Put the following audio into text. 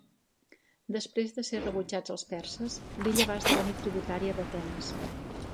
Després de ser rebutjats els perses, l'illa va esdevenir tributària d'Atenes.